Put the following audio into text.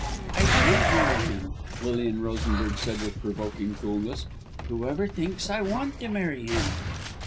"I shan't marry him!" Lilian Rosenberg said with provoking coolness. "Whoever thinks I want to marry him?"